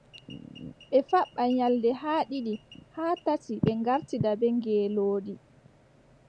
Ɓe faɓɓa nyalɗe haa ɗiɗi haa tati, ɓe ngartida bee ngeelooɗi,